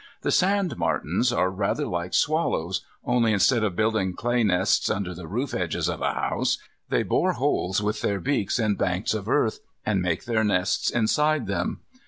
The sandmartins are rather like swallows, only instead of building clay nests under the roof edges of a house, they bore holes with their beaks in banks of earth, and make their nests inside them.